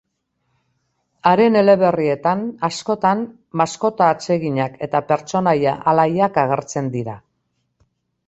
Haren eleberrietan askotan maskota atseginak eta pertsonaia alaiak agertzen dira.